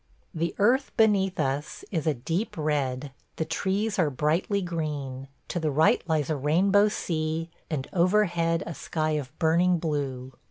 The earth beneath us is a deep red, the trees are brightly green; to the right lies a rainbow sea, and overhead a sky of burning blue.